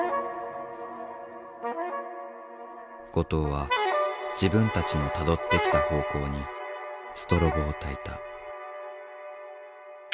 後藤は自分たちのたどってきた方向にストロボをたいた。